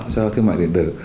cho thương mại điện tử